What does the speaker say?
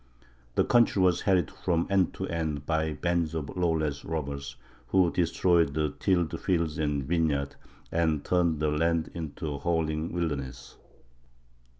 The country was harried from end to end by bands of lawless robbers, who destroyed the tilled fields and vineyards, and turned the land into a howling wilderness.